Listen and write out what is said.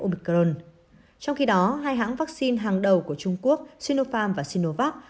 omicron trong khi đó hai hãng vaccine hàng đầu của trung quốc sinopharm và sinovac